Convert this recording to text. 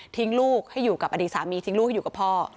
ลูกให้อยู่กับอดีตสามีทิ้งลูกให้อยู่กับพ่อ